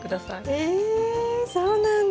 えそうなんだ。